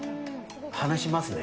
離しますね。